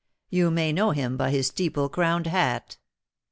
You may know him by his steeple crowned hat."